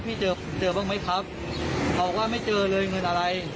เจอเจอบ้างไหมครับบอกว่าไม่เจอเลยเงินอะไร